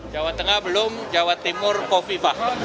jawa tengah belum jawa timur kofifah